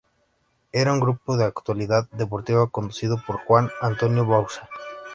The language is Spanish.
Era un programa de actualidad deportiva conducido por Juan Antonio Bauzá.